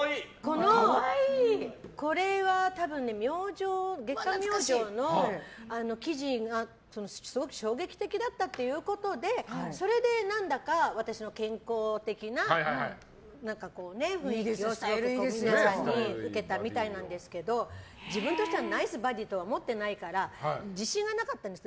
これは多分月刊「明星」の記事が衝撃的だったということでそれで私の健康的な雰囲気が皆さんにウケたみたいなんですけど自分としてはナイスバディーと思ってないから自信がなかったんです。